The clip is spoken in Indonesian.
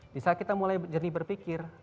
di saat kita mulai jernih berpikir